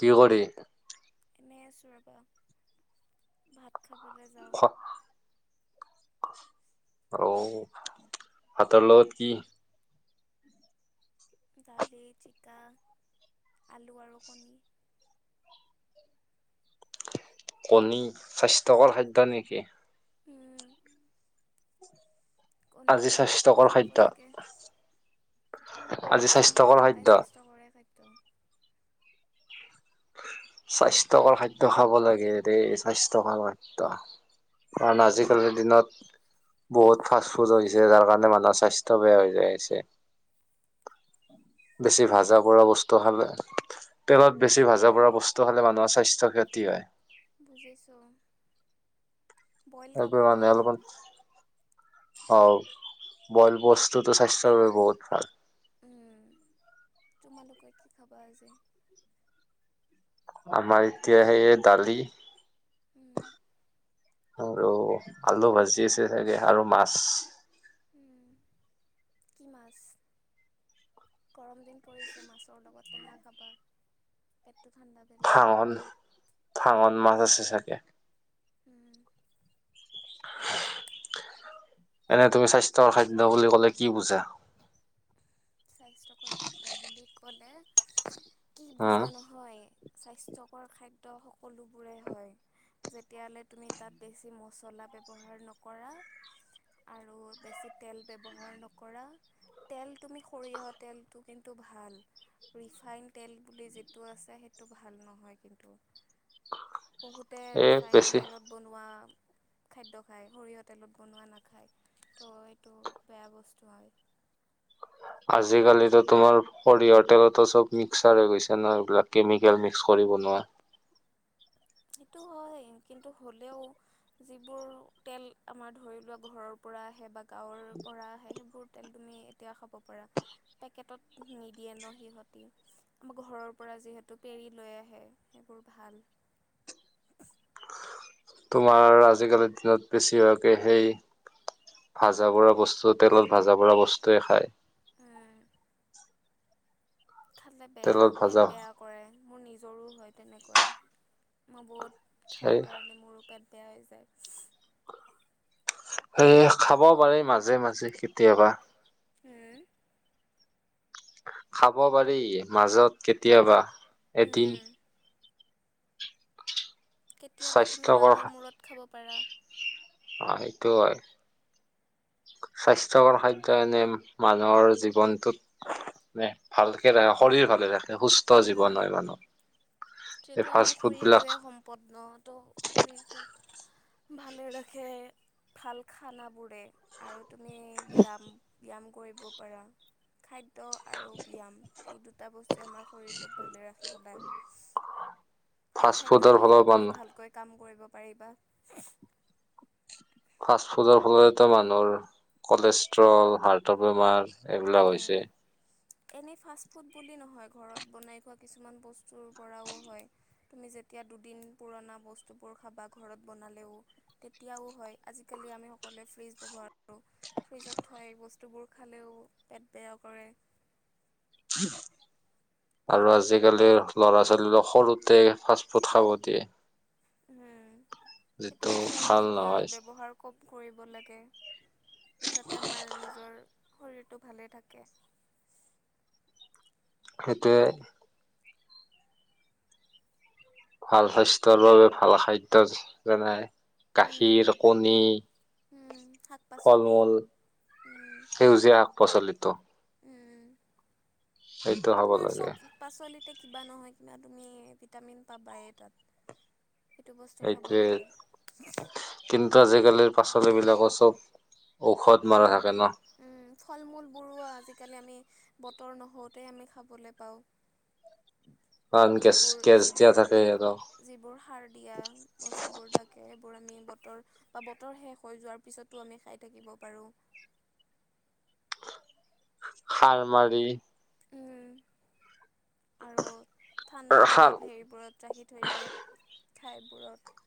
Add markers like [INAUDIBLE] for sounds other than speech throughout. কি' কৰি এনেই আছো, ৰবা ভাত খাবলৈ যাওঁ। খোৱা অঁহ, ভাতৰ লগত কি? দালি, ঝিকা, আলু আৰু কণী। কণী' স্বাস্থ্যকৰ খাদ্য নেকি? উম। কণী আজি স্বাস্থ্যকৰ খাব খাদ্য। লাগে আজি স্বাস্থ্যকৰ নহয় খাদ্য সদায় স্বাস্থ্যকৰে খাদ্য। স্বাস্থ্যকৰ খাদ্য খাব লাগে দেই স্বাস্থ্যকৰ খাদ্য। কাৰণ আজিকালিৰ দিনত বহুত ফাৰ্ষ্টফুড হৈছে যাৰ কাৰণে মানুহৰ স্বাস্থ্য বেয়া হৈ জাই আছে। বেছি উম, ভাজা কৰা বস্তু খালে, তেলত বেছি ভাজাপোৰা বস্তু খালে মানুহৰ স্বাস্থ্যৰ ক্ষতি হয়। বুজিছোঁ। [INAUDIBLE] বইল খাব লাগে আও, বইল বস্তুটো স্বাস্থ্যৰ বাবে বহুত ভাল। উম, তোমালোকে কি খাবা আজি? আমাৰ এতিয়া হে' দালি উম, [INAUDIBLE] আৰু আলু ভাজি আছে চাগে আৰু মাছ। উম, কি মাছ? গৰম দিন পৰিছে, মাছৰ লগত টেঙা খাবা। পেট ভাঙন, ভাঙন মাছ আছে। তাকে! উম, এনে তুমি স্বাস্থ্যকৰ খাদ্য বুলি ক'লে কি বুজা? স্বাস্থ্যকৰ খাদ্য বুলি ক'লে কি উম, বুজা নহয়, স্বাস্থ্যকৰ খাদ্ দ সকলোবোৰে হয়। যেতিয়ালৈ তুমি তাত বেছি মচলা ব্যৱহাৰ নকৰা, আৰু বেছি তেল ব্যৱহাৰ নকৰা, তেল তুমি সৰিয়হ তেলটো কিন্তু ভাল। ৰিফাইন তেল বুলি যিটো আছে, সেইটো ভাল নহয় কিন্তু! বহুতে এই ৰিফাইন বেছি তেলত বনোৱা খাদ্য খায়। সৰিয়হ তেলত বনোৱা নাখায়, ত' এইটো বেয়া বস্তু হয়। আজিকালিতো তোমাৰ সৰিয়হ তেলতো চব মিৰ্ক্সাৰ হৈ গৈছে ন, এইবিলাক কেমিকেল মিক্স কৰি বনোৱা। সেইটো হয়। কিন্তু হ'লেও যিবোৰ তেল আমাৰ ধৰি লোৱা ঘৰৰ পৰা আহে বা গাঁৱৰ পৰা আহে সেইবোৰ তেল তুমি এতিয়া খাব পাৰা। পেকেটত নিদিয়ে ন সিহঁতি, আমাৰ ঘৰৰ পৰা যিহেতু পেৰি লৈ আহে সেইবোৰ ভাল। তোমাৰ আজিকালিৰ দিনত বেছিভাকে সেই ভজা বৰা বস্তু তেলত ভাজা বৰা বস্তুৱেই খায়। খালে বেয়া, তেলত পেট ভাজা বেয়া কৰে। মোৰ নিজৰো হয় তেনেকুৱা। মই বহুত সেই খাওঁ কাৰণে মোৰ পেট বেয়া হৈ যায়। হে' খাব পাৰি মাজে মাজে কেতিয়াবা। হুম। খাব পাৰি মাজত কেতিয়াবা। এটি উম, কেতিয়াবা তুমি স্বাস্থ্যকৰ মাহৰ মূৰত খাব পাৰা। [UNINTELLIGIBLE] স্বাস্থ্যকৰ খাদ্য এনেই মানুহৰ জীৱনটোত ভালকে ৰাখে শৰীৰ ভালে ৰাখে। সুস্থ জীৱন হয় মানুহ। সেইটো আমাৰ শৰীৰটোৱে সম্পদ ন ত' শৰীৰটোক, ভালে ৰাখে, ভাল খানাবোৰে আৰু তুমি ব্যয়াম ব্যায়াম কৰিব পাৰা খাদ্য আৰু ব্যায়াম এই দুটা বস্তুৱে আমাৰ শৰীৰটোক ভালে ৰাখে সদায়। ভাল ফাষ্ট খাদ্য ফুডৰ ফলত খালেহে তুমি মানুহ ভালকৈ কাম কৰিব পাৰিবা। ফাষ্ট ফুডৰ ফলতো মানুহৰ কলেষ্ট্ৰল, হাৰ্টৰ বেমাৰ। এইবিলাক উম, হৈছে। এনেই ফাষ্টফুড বুলি নহয় ঘৰত বনাই খোৱা কিছুমান বস্তুৰ পৰাও হয় তুমি যেতিয়া দুদিন পুৰণা বস্তুবোৰ খাবা ঘৰত বনালেও তেতিয়াও হয় আজিকালি আমি সকলোৱে ফ্ৰিজ ব্যৱহাৰ কৰোঁ ফ্ৰিজত থৈ বস্তুবোৰ খালেও। পেট বেয়া কৰে। আৰু আজিকালিৰ ল'ৰা ছোৱালীবোৰক সৰুতে ফাষ্টফুড খাব দিয়ে। উম। সেইটো যিটো বস্তু আমি ভাল এতিয়া নহয় ব্যৱহাৰ কম কৰিব লাগে। যাতে আমাৰ নিজৰ শৰীৰটো ভালে থাকে। সেইটোৱেই। ভাল স্বাস্থ্যৰ বাবে ভাল খাদ্য যেনে- উম, গাখীৰ, কণী, উম, শাক ফল পাচলি মূল, উম, সেউজীয়া শাক পাচলিটো উম। সেইটো খাব তোমাৰ লাগে। চব পাচলিতে কিবা নহয় কিবা তুমি ভিটামিন পাবাই তাত। সেইটো বস্তু খাব এইটোৱে, লাগে কিন্তু আজিকালিৰ পাচলিবিলাকৰ চব ঔষধ মৰা উম থাকে ন'। জিকালি আমি বতৰ নহওঁতে আমি খাবলৈ পাওঁ। কাৰণ গেছ যিবোৰ, গেছ দিয়া যিবোৰ, থাকে আৰু যিবোৰ সাৰ দিয়া বস্তুবোৰ থাকে সেইবোৰ আমি বতৰ বা বতৰ শেষ হৈ যোৱাৰ পিছটো আমি খাই থাকিব পাৰোঁ। সাৰ মাৰি উম, আৰু ঠাণ্ডা সাৰ হেৰিবোৰত ৰাখি থৈ দিয়ে। ঠাইবোৰত।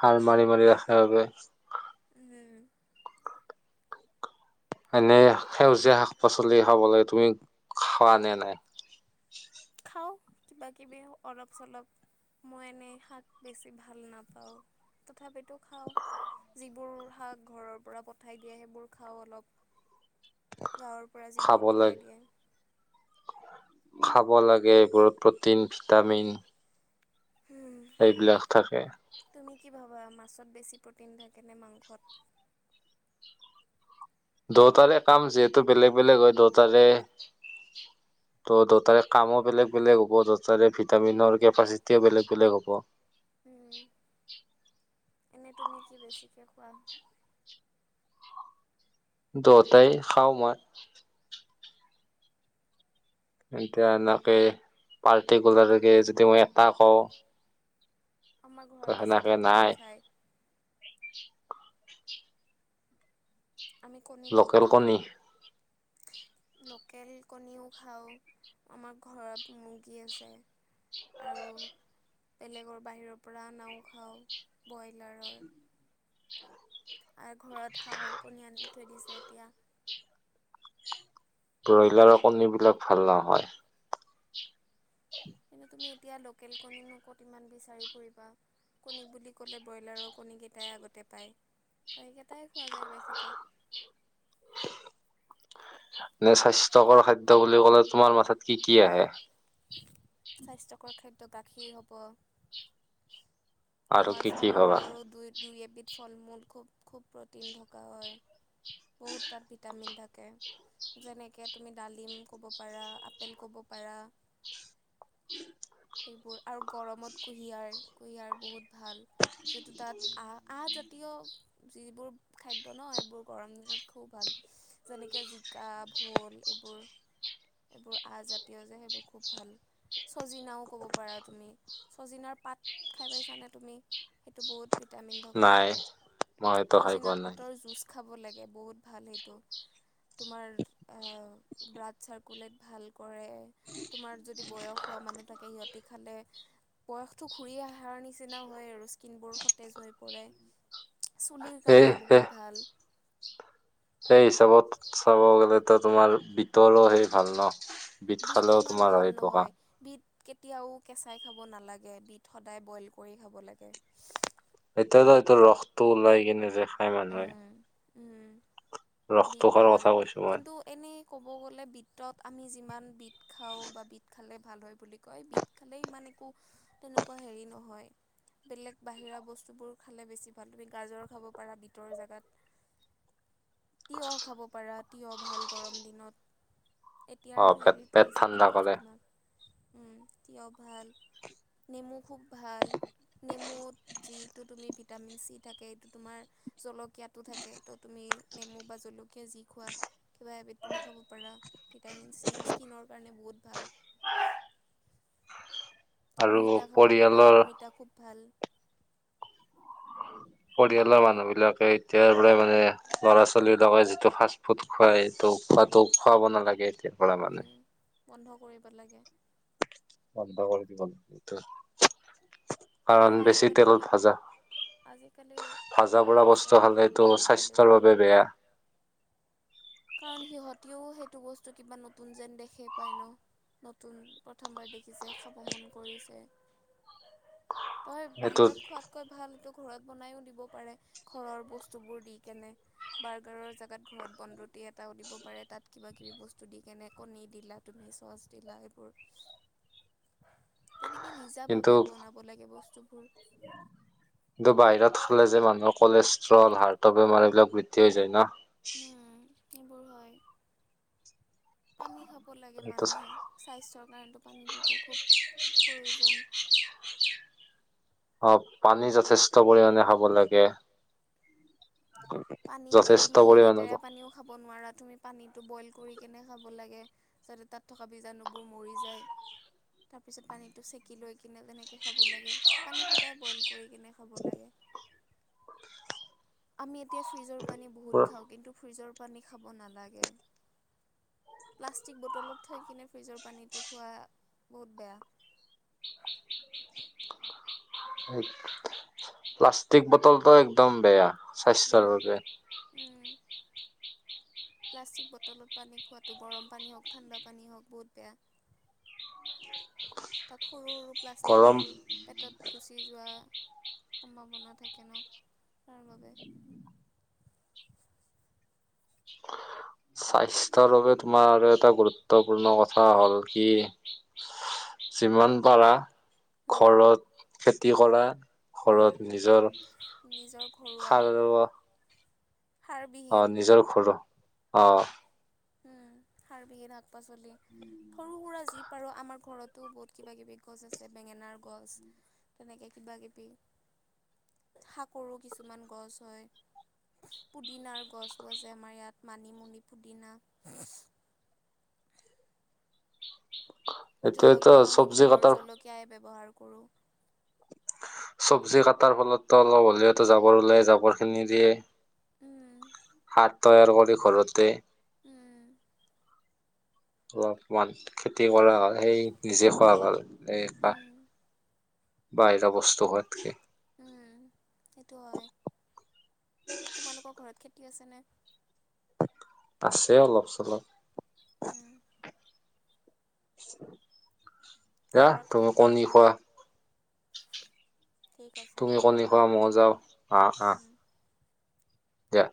সাৰ মাৰি, মাৰি ৰাখে বাবে। উম। এনে সেউজীয়া শাক-পাচলি খাবলৈ তুমি খোৱা নে নাই? খাওঁ কিবা-কিবি অলপ চলপ মই এনেই শাক বেছি ভাল নাপাওঁ, তথাপিতো খাওঁ যিবোৰ শাক ঘৰৰ পৰা পঠাই দিয়ে সেইবোৰ খাওঁ অলপ। গাঁৱৰ পৰা খাব যিবোৰ লাগে পঠাই দিয়ে। খাব লাগে, এইবোৰত প্ৰ'টিন, ভিটামিন এইবিলাক থাকে তুমি কি ভাবা মাছত বেছি প্ৰ'টিন থাকে নে মাংসত? দুয়োটাৰে কাম যিহেতু বেলেগ বেলেগ হয় দুয়োটাৰে ত' দুয়োটাৰে কামো বেলেগ বেলেগ হ'ব দুয়োটাৰে ভিটামিনৰ কেপাচিটিও বেলেগ বেলেগ হ'ব। উম। এনেই তুমি কি বেছিকে খোৱা? দুয়োতাই খাওঁ মই এতিয়া এনেকে পাৰ্টিকুলাৰকে যদি মই এটা কওঁ আমাৰ ত ঘৰত বেছিক সেনেকে কণী নাই খায় আমি কণী খুব লোকেল খাওঁ কণী লোকেল কণীও খাওঁ আমাৰ ঘৰত মুৰ্গী আছে আৰু বেলেগৰ বাহিৰৰ পৰা অনাও খাওঁ ব্ৰইলাৰৰ আৰু ঘৰত হাঁহৰ কণী আনি থৈ দিছে এতিয়া ব্ৰইলাৰৰ কণীবিলাক ভাল নহয় কিন্তু তুমি এতিয়া লোকেল কণীনো ক'ত ইমান বিচাৰি ফুৰিবা কণী বুলি ক'লে ব্ৰইলাৰৰ কণীকেইটাই আগতে পায় ত' সেইকেইটাই খোৱা যায় বেছিকৈ [UNINTELLIGIBLE] যে স্বাস্থ্যকৰ খাদ্য বুলি ক'লে, তোমাৰ মাথাত কি কি আহে? স্বাস্থ্যকৰ খাদ্য গাখীৰ হ'ব। আৰু তোমাৰ কি কি ফল ভাবা মূলৰো দুই দুই এবিধ ফল মূল খুব খুব প্ৰ'টিন থকা হয় বহুত তাত ভিটামিন থাকে যেনেকৈ তুমি ডালিম ক'ব পাৰা আপেল ক'ব পাৰা এইবোৰ আৰু গৰমত কুঁহিয়াৰ কুঁহিয়াৰ বহুত ভাল যিটো তাত আ আহজাতীয় যিবোৰ খাদ্য ন এইবোৰ গৰম দিনত খুব ভাল যেনেকে জিকা ভোল এইবোৰ এইবোৰ আজাতীয় যে সেইবোৰ খুব ভাল চজিনাও ক'ব পাৰা তুমি ছজিনাৰ পাত খাই পাইছানে তুমি সেইটো বহুত ভিটামিন থকা নাই মই সেইটো খাই পোৱা ছজিনাৰ নাই পাতৰ জুচ খাব লাগে বহুত ভাল সেইটো তোমাৰ ব্লাড চাৰ্কুলেট ভাল কৰে তোমাৰ যদি বয়স হোৱা মানুহ সিহঁতি খালে বয়সটো ঘূৰি অহাৰ নিচিনা হয় আৰু স্কিনবোৰ সতেজ হৈ পৰে, চুলিৰ সেই কাৰণে সে বহুত ভাল সেই হিচাপত চাব গ'লে ত তোমাৰ বিতল সেই ভাল ন বিট বিধ খালেও সিমান তোমাৰ ভাল হয় এইটো কাম নহয় বিধ কেতিয়াও কেঁচাই খাব নালাগে বিট সদায় বইল কৰি খাব লাগে এতিয়াতো এইটো ৰসটো ওলাই কিনে যে খাই মানুহে উম ৰসটো বিদ খোৱাৰ ভাল কথা কৈছো মই কিন্তু এনেই ক'ব গ'লে বিটত আমি যিমান বিধ বিত খাওঁ বা বিট খালে ভাল হয় বুলি কয় বিট খালে ইমান একো তেনেকুৱা হেৰি নহয় বেলেগ বাহিৰা বস্তুবোৰ খালে বেছি ভাল তুমি গাজৰ খাব পাৰা বিটৰ জেগাত তিয়হ খাব পাৰা তিয়হ ভাল গৰম দিনত অ এতিয়াৰ পেট হেৰিটো পেট হিচাপত ঠাণ্ডা কৈছো কৰে তোমাক উম থিয় ভাল নেমু খুব ভাল নেমুত যিটো তুমি ভিটামিন চি থাকে এইটো তোমাৰ জলকীয়াটো থাকে ত তুমি নেমু বা জলকীয়া যি খোৱা কিবা এবিধ তুমি খাব পাৰা ভিটামিন চি স্কিনৰ কাৰণে বহুত ভাল। আৰু অমিতা খাব পাৰা পৰিয়ালৰ অমিতা খুব ভাল। পৰিয়ালৰ মানুহ বিলাকে এতিয়াৰ পৰা মানে ল'ৰা ছোৱালীৰলাকে যিটো ফাষ্ট ফুড খুৱাই সেইটো খোৱাটো খুৱাব নালাগে। তি [UNINTELLIGIBLE] পৰা মানে উম, বন্ধ কৰিব লাগে বন্ধ কৰি দিব লাগে [UNINTELLIGIBLE] কাৰণ কিন্তু বেছি আজিকালি তেলত ভাজা, আজিকালি ভাজা খোৱা বাৰা হৈছে বস্তু সকলো খালেতো ল'ৰা স্বাস্থ্যৰ বাবে বেয়া। ছোৱালীবোৰে কাৰণ সিহঁতিও সেইটো বস্তু কিবা নতুন যেন দেখে পায় ন নতুন প্ৰথমবাৰ দেখিছে খাব মন কৰিছে। তই সেইটো বাহিৰত খোৱাতকৈ ভাল তোক ঘৰত বনাইও দিব পাৰে ঘৰৰ বস্তুবোৰ দি কেনে বাৰ্গাৰৰ জেগাত ঘৰত বন্ধত [UNINTELLIGIBLE] এটাও দিব পাৰে তাত কিবা কিবি বস্তু দি কেনে কণী দিলা তুমি চচ দিলা এইবোৰ তেনেকে নিজা কিন্তু ভাবে বনাব লাগে বস্তু কিন্তু বাহিৰত খালে যে মানুহৰ কলেষ্ট্ৰল হাৰ্টৰ বেমাৰ এইবিলাক বৃদ্ধি হৈ যায় ন [UNINTELLIGIBLE] সেইবোৰ হয় পানী খাব লাগে এইটো মানুহে, স্বাস্থ্যৰ কাৰনেটো পানীটোতো খুব প্ৰয়োজন। অ' পানী যথেষ্ট পৰিমাণে খাব লাগে। পানী এতিয়া যথেষ্ট তুমি পৰিমাণে লেতেৰা পানীও খাব নোৱাৰা তুমি পানীটো বইল কৰি কেনে খাব লাগে যাতে তাত থকা বীজাণুবোৰ মৰি যায় তাৰপিছত পানীটো চেকি লৈ কিনে তেনেকৈ খাব লাগে পানী সদায় বইল কৰি কিনে খাব লাগে। আমি এতিয়া ফ্ৰিজৰ পানী বহুত পুৰা খাওঁ কিন্তু ফ্ৰিজৰ পানী খাব নালাগে। প্লাষ্টিক বটলত থৈ কিনে ফ্ৰিজৰ পানীটো খোৱা বহুত বেয়া। প্লাষ্টিক বটলটো একদম বেয়া। স্বাস্থ্যৰ উম, বাবে। উম। প্লাষ্টিক বটলত পানী খোৱাটো গৰম পানী হওক ঠাণ্ডা পানী হওক বহুত বেয়া। তাত সৰু সৰু প্লাষ্টিকবোৰ গৰম পেটত গুচি যোৱা সম্ভাৱনা থাকে ন তাৰ বাবে। স্বাস্থ্যৰ বাবে তোমাৰ আৰু এটা গুৰুত্বপূৰ্ণ কথা হ'ল কি যিমান পাৰা উম ঘৰত খেতি কৰা উম ঘৰত নিজৰ নিজৰ ঘৰুৱা সাৰুৱা অ সাৰবিহীন নিজৰ ঘৰ অ অ। উম হাৰবিহিন ত শাক পাচলি সৰু সুৰা যি বাৰু আমাৰ ঘৰতো বহুত কিবা কিবি গছ আছে বেঙেনাৰ গছ, তেনেকৈ কিবাকিবি শাককৰো কিছুমান গছ হয়, পুদিনাৰ গছো আছে, আমাৰ ইয়াত মানিমুনি, পুদিনা [UNINTELLIGIBLE] এইটোয়েতো জলকীয়াও আমি চব্জি ঘৰৰ কটাৰ জলকীয়াই ব্যৱহাৰ কৰোঁ চব্জি কাটাৰ ফলতটো অলপ উলিয়াই জাবৰ ওলাই জাবৰ খিনি দিয়ে। উম। সাৰ তৈয়াৰ কৰি ঘৰতে উম। অলপমান খেতি কৰা হয়, সেই নিজে খোৱা ভাল। এইবা উম বাহিৰা বস্তু খোৱাত কে। উম সেইটো হয় কি আছা নে? আছে অলপ চলপ। উম, [UNINTELLIGIBLE] [UNINTELLIGIBLE] যা ঘৰত তুমি খেতি কণী খোৱা। ঠিক আছে তুমি কণী খোৱা মই যাও আহ আহ। উম। দিয়া।